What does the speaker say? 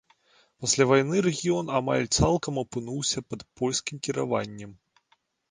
Пасля вайны рэгіён амаль цалкам апынуўся пад польскім кіраваннем.